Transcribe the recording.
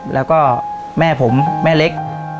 แล้วก็แม่ผมแม่เล็ก